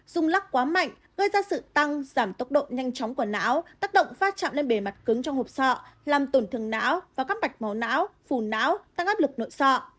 rung lắc quá mạnh gây ra sự tăng giảm tốc độ nhanh chóng của não tác động pha chạm lên bề mặt cứng trong hộp sọ làm tổn thương não và các mạch máu não phù não tăng áp lực nội sọ